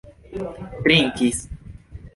trinkis